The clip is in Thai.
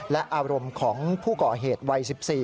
และอารมณ์ของผู้ก่อเหตุวัย๑๔